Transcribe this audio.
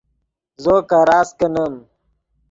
زو کراست کینیم